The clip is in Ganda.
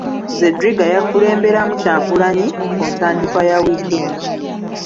Zedriga yakulemberamu Kyagulanyi ku ntandikwa ya wiiki eno.